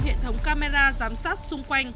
hệ thống camera giám sát xung quanh